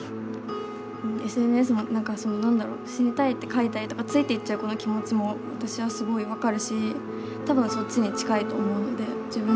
ＳＮＳに何だろ死にたいって書いたりとかついていっちゃう子の気持ちも私はすごい分かるし多分そっちに近いと思うので自分自身が。